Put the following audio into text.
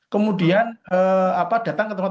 kemudian datang ke tempat